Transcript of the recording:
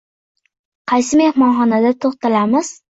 Qaysi mehmonxonada to'xtalamiz?